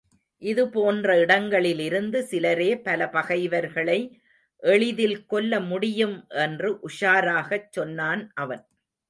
இது போன்ற இடங்களிலிருந்து சிலரே பல பகைவர்களை எளிதில் கொல்ல முடியும் என்று உஷாராகச் சொன்னான் அவன்.